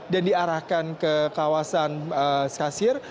dan diarahkan ke kawasan skasir